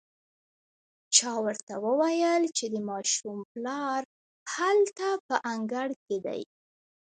چا ورته وويل چې د ماشوم پلار هلته په انګړ کې دی.